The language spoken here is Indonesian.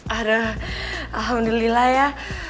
aduh alhamdulillah ya